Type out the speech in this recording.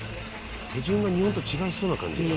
手順が日本と違いそうな感じだな。